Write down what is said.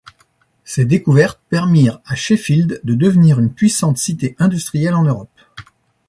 Ces découvertes permirent à Sheffield de devenir une puissante cité industrielle en Europe.